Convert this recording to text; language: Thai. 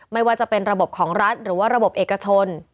ไม่ว่าจะเป็นระบบของรัฐหรือว่าระบบเอกชน